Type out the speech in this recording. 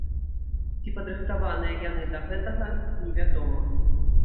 Ці падрыхтаваныя яны да гэтага, невядома.